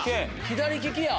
左利きや。